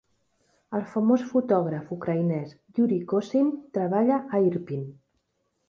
El famós fotògraf ucraïnès Yuri Kosin treballa a Irpin.